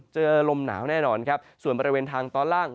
เจอลมหนาวแน่นอนครับส่วนบริเวณทางตอนล่าง